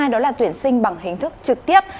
đó là tuyển sinh bằng hình thức trực tiếp